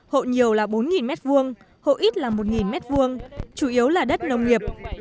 hộ nhiều là bốn m hai hộ ít là một m hai chủ yếu là đất nông nghiệp